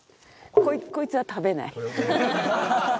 こいつは食べない。